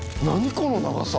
この長さ。